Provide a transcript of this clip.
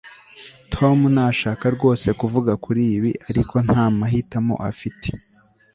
tom ntashaka rwose kuvuga kuri ibi, ariko nta mahitamo afite